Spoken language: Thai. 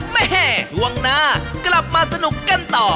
แม่ช่วงหน้ากลับมาสนุกกันต่อ